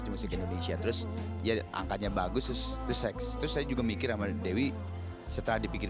musik indonesia terus ya angkanya bagus to sex terus saya juga mikir sama dewi setelah dipikir